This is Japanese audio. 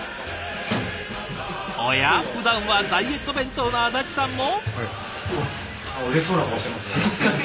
おや？ふだんはダイエット弁当の安達さんも。